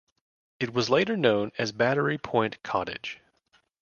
It was later known as Battery Point Cottage.